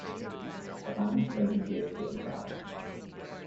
A band plays a gig to a crowd.